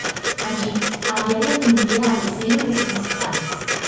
Allí a diario atendía a decenas de solicitantes.